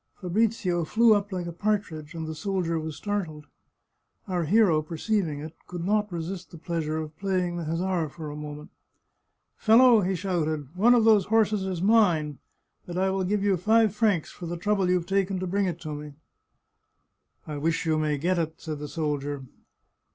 Fabrizio flew up like a partridge, and the soldier was startled. Our hero, per ceiving it, could not resist the pleasure of playing the hus sar for a moment. " Fellow," he shouted, " one of those horses is mine, but I will give you five francs for the trouble you've taken to bring it to me !" "I wish you may get it," said the soldier.